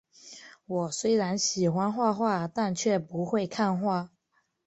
我虽然喜欢画画，但却不会看画